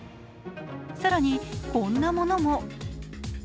更に、こんなものも。